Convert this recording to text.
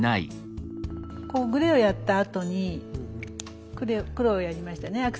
こうグレーをやったあとに黒をやりましたね